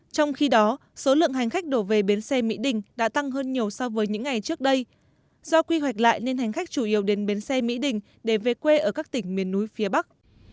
trong khi đó số lượng hành khách đổ về bến xe mỹ đình đã tăng hơn nhiều so với những ngày trước đây do quy hoạch lại nên hành khách chủ yếu đến bến xe mỹ đình để về quê ở các tỉnh miền núi phía bắc